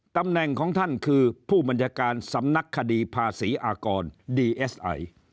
ตำแหน่งของท่านคือผู้บัญชาการสำนักคดีภาษีอากรดีเอสไอ